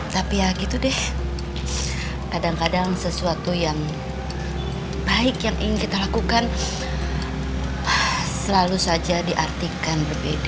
tapi ya gitu deh kadang kadang sesuatu yang baik yang ingin kita lakukan selalu saja diartikan berbeda